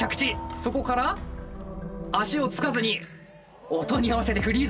そこから足をつかずに音に合わせてフリーズ。